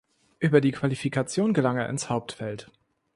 Über die Qualifikation gelang er ins Hauptfeld.